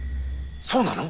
そうなの！？